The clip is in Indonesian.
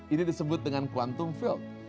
ini disebut dengan kuantum field